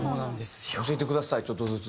教えてくださいちょっとずつ。